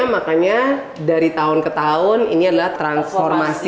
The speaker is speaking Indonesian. makanya dari tahun ke tahun ini adalah transformasi